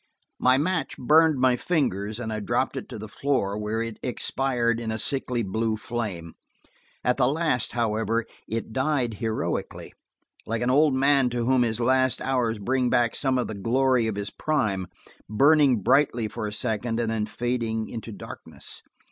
My match burned my fingers and I dropped it to the floor, where it expired in a sickly blue flame. At the last, however it died heroically–like an old man to whom his last hours bring back some of the glory of his prime, burning brightly for a second and then fading into darkness.